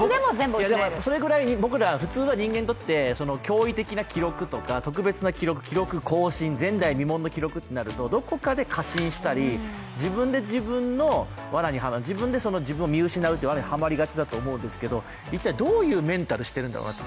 それぐらいに僕ら普通の人間にとって特別な記録更新、前代未聞の記録となるとどこかで過信したり、自分で自分のわなにはまる、自分で自分を見失うというわなにはまりがちなんですけど一体どういうメンタルしているんだろうなと。